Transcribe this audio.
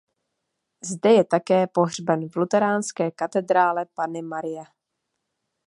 Zde je také pohřben v luteránské katedrále Panny Marie.